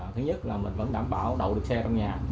thứ nhất là mình vẫn đảm bảo đậu được xe trong nhà